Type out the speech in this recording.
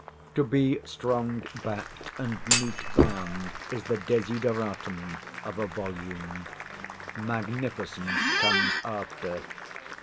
To be strong backed and neat bound is the desideratum of a volume. Magnificence comes after.